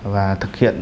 và thực hiện